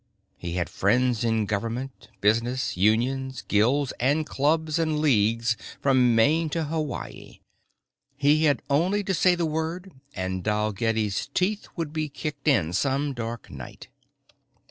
He had friends in government, business, unions, guilds and clubs and leagues from Maine to Hawaii. He had only to say the word and Dalgetty's teeth would be kicked in some dark night.